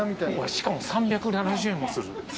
しかも３７０円もする。